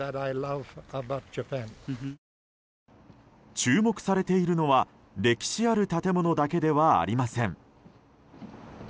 注目さているのは、歴史ある建物だけではありません。